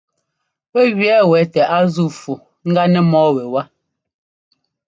Pɛ́ gẅɛɛ wɛ tɛ a zúu fu ŋgá nɛ mɔ́ɔ wɛwá.